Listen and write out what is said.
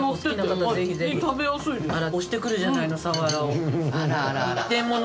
推してくるじゃないのさわらを。